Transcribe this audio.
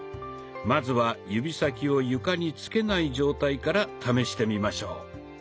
まずは指先を床につけない状態から試してみましょう。